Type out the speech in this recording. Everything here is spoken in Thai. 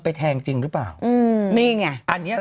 ไปแทนจริงหรือเปล่านี่ไง